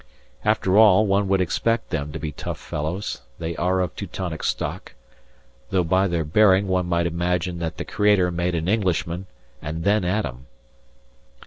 After all, one would expect them to be tough fellows they are of Teutonic stock though by their bearing one might imagine that the Creator made an Englishman and then Adam.